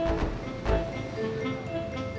assalamualaikum warahmatullahi wabarakatuh